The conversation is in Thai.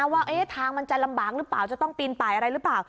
ว่าทางมันจะลำบากหรือเปล่าจะต้องปีนป่ายอะไรหรือเปล่า